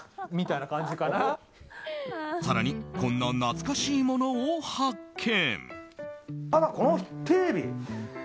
更にこんな懐かしいものを発見。